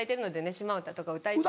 島唄とか歌いたい。